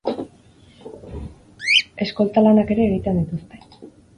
Eskolta lanak ere egiten dituzte.